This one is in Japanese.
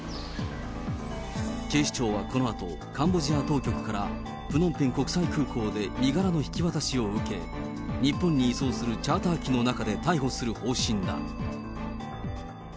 警視庁はこのあと、カンボジア当局からプノンペン国際空港で身柄の引き渡しを受け、日本に移送するチャーター機の中で逮捕する方針だ。